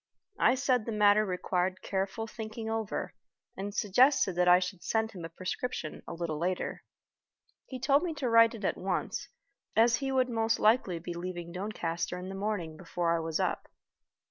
I said the matter required careful thinking over, and suggested that I should send him a prescription a little later. He told me to write it at once, as he would most likely be leaving Doncaster in the morning before I was up.